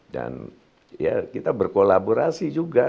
dan ya kita berkolaborasi juga